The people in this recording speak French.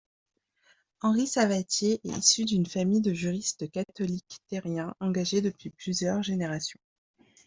Henri Savatier est issu d'une famille de juristes catholiques terriens engagés depuis plusieurs générations.